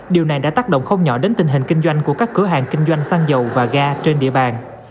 điều này đã tác động không nhỏ đến tình hình kinh doanh của các cửa hàng kinh doanh xăng dầu và ga trên địa bàn